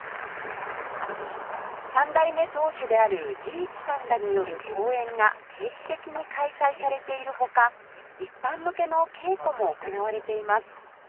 ３代目当主である慈一さんらによる公演が定期的に開催されている他一般向けの稽古も行われています